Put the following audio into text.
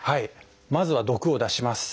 まずは毒を出します。